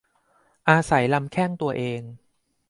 อาศัยลำแข้งตัวเอง